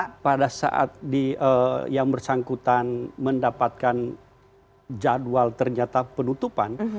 karena pada saat yang bersangkutan mendapatkan jadwal ternyata penutupan